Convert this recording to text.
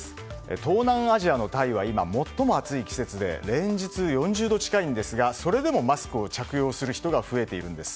東南アジアのタイは今、最も暑い季節で連日、４０度近いんですがそれでもマスクを着用する人が増えているんです。